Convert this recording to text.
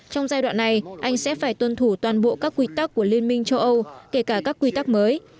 trong giai đoạn này anh sẽ phải tuân thủ toàn bộ các quy tắc của liên minh châu âu kể cả các quy tắc mới